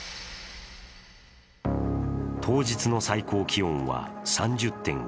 当日の最高気温は３０．５度。